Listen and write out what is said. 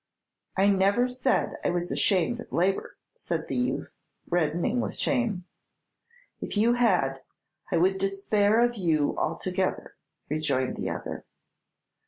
"I never said I was ashamed of labor," said the youth, reddening with shame. "If you had, I would despair of you altogether," rejoined the other.